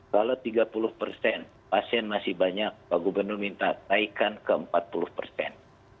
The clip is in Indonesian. kalau tiga puluh persen pasien masih banyak pak gubernur minta naikan ke empat puluh persen